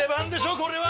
これは！